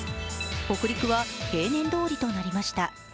北陸は平年どおりとなりました。